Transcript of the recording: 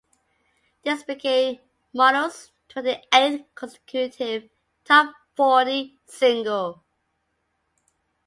This became Minogue's twenty-eighth consecutive top-forty single.